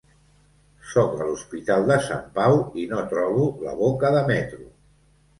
Sóc a l'Hospital de Sant Pau i no trobo la boca de metro!